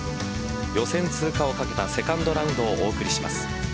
予選通過をかけたセカンドラウンドをお送りします。